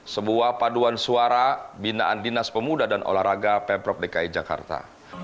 sebuah paduan suara binaan dinas pemuda dan olahraga pemprov dki jakarta